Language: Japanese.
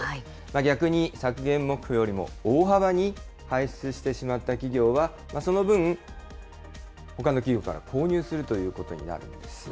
逆に削減目標よりも大幅に排出してしまった企業は、その分、ほかの企業から購入するということになるんです。